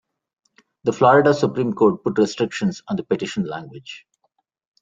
The Florida Supreme Court put restrictions on the petition language.